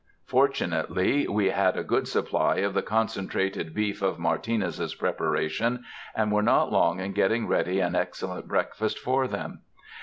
Fortunately, we had a good supply of the concentrated beef of Martinez's preparation, and were not long in getting ready an excellent breakfast for them.